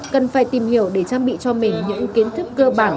cần phải tìm hiểu để trang bị cho mình những kiến thức cơ bản